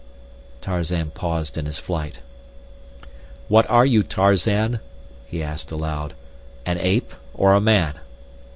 Tarzan paused in his flight. "What are you, Tarzan?" he asked aloud. "An ape or a man?"